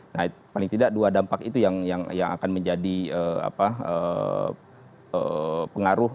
nah paling tidak dua dampak itu yang akan menjadi pengaruh